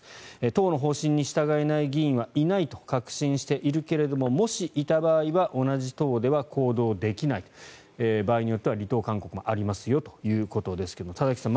党の方針に従えない議員はいないと確信しているけれどもし、いた場合は同じ党では行動できない場合によっては離党勧告もありますよということですが田崎さん